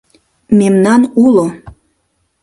Мемнан уло.